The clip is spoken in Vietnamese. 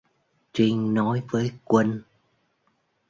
Trinh nói với quân